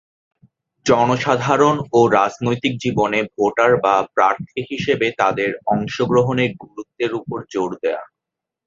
জনসাধারণ ও রাজনৈতিক জীবনে ভোটার বা প্রার্থী হিসেবে তাদের অংশগ্রহণের গুরুত্বের উপর জোর দেয়া।